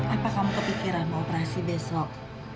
apa kamu kepikiran beroperasi besok